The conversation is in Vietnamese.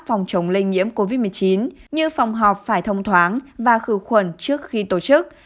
phòng chống lây nhiễm covid một mươi chín như phòng họp phải thông thoáng và khử khuẩn trước khi tổ chức